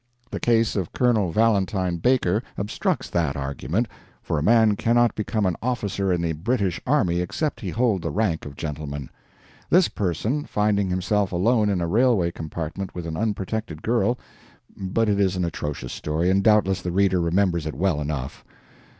The case of Colonel Valentine Baker obstructs that argument, for a man cannot become an officer in the British army except he hold the rank of gentleman. This person, finding himself alone in a railway compartment with an unprotected girl but it is an atrocious story, and doubtless the reader remembers it well enough.